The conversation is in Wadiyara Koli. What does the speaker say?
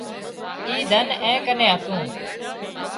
اي ڌن اين ڪنين هتون